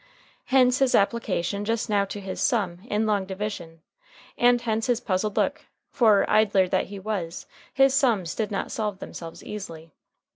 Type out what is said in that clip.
Hence his application just now to his "sum" in long division, and hence his puzzled look, for, idler that he was, his "sums" did not solve themselves easily.